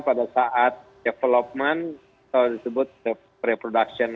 pada saat development kalau disebut pre production